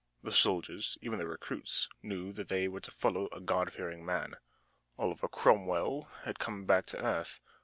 The soldiers, even the recruits, knew that they were to follow a God fearing man. Oliver Cromwell had come back to earth.